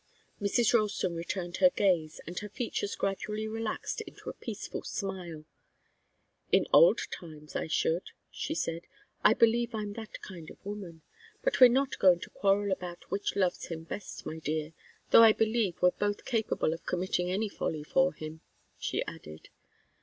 Mrs. Ralston returned her gaze, and her features gradually relaxed into a peaceful smile. "In old times I should," she said. "I believe I'm that kind of woman. But we're not going to quarrel about which loves him best, my dear though I believe we're both capable of committing any folly for him," she added.